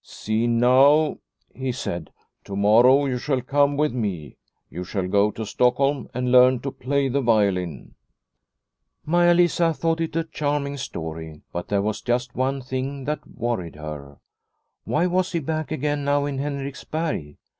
" See now," he said, " to morrow you shall come with me. You shall go to Stockholm and learn to play the violin." Maia Lisa thought it a charming story, but there was just one thing that worried her. Why was he back again now in Henriksberg